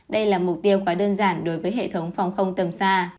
đây là mục tiêu quá đơn giản đối với hệ thống phòng không tầm xa